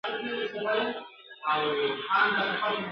له شهبازونو هیري نغمې دي ..